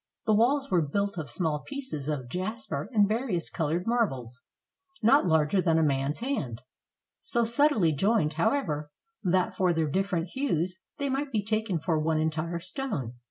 The walls were built of small pieces of jasper and various colored marbles, not larger than a man's hand; so subtilely joined, however, that, but for their different hues, they might be taken for one entire stone.